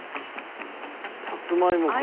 さつまいもか。